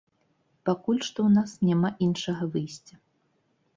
Пакуль што ў нас няма іншага выйсця.